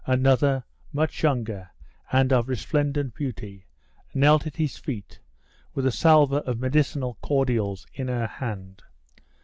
Another, much younger, and of resplendent beauty, knelt at his feet, with a salver of medicinal cordials in her hand.